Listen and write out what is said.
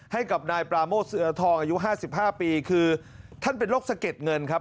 ให้กับนายปราโมทเสื้อทองอายุ๕๕ปีคือท่านเป็นโรคสะเก็ดเงินครับ